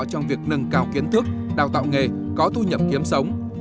trong việc nâng cao kiến thức đào tạo nghề có thu nhập kiếm sống